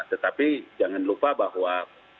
tetapi jangan lupa bahwa